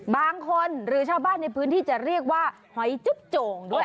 บางคนหรือชาวบ้านในพื้นที่จะเรียกว่าหอยจุ๊บโจ่งด้วย